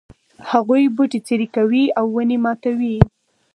هغوی بوټي څیري کوي او ونې ماتوي